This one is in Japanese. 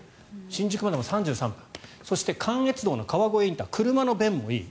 新宿までも３３分そして関越道の川越ＩＣ車の便もいい。